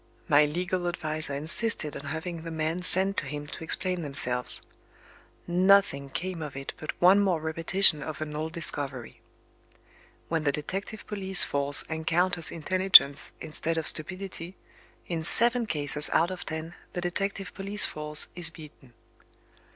My legal adviser insisted on having the men sent to him to explain themselves. Nothing came of it but one more repetition of an old discovery. When the detective police force encounters intelligence instead of stupidity, in seven cases out of ten the detective police force is beaten.